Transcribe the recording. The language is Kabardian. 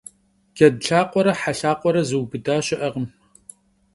Ced lhakhuere he lhakhuere zıubıda şı'ekhım.